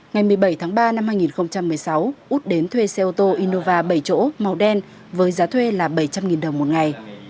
ngày một mươi bảy tháng ba năm hai nghìn một mươi sáu út đến thuê xe ô tô innova bảy chỗ màu đen với giá thuê là bảy trăm linh đồng một ngày